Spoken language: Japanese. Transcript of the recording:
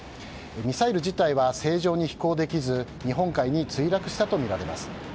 ミサイル自体は正常に飛行できず日本海に墜落したとみられます。